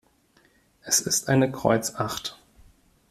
Es ist eine Kreuz acht.